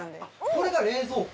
これが冷蔵庫？